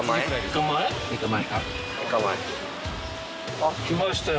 あっ来ましたよ！